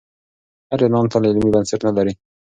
هر اعلان تل علمي بنسټ نه لري.